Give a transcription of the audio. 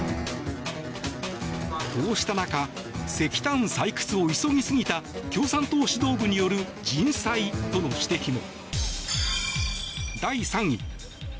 こうした中石炭採掘を急ぎすぎた共産党指導部による人災との指摘も。